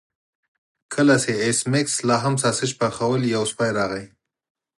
کله چې ایس میکس لاهم ساسج پخول یو سپی راغی